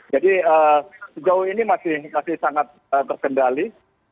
jadi sejauh ini masih sangat berkendali